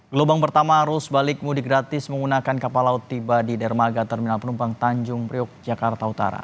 gelombang pertama arus balik mudik gratis menggunakan kapal laut tiba di dermaga terminal penumpang tanjung priok jakarta utara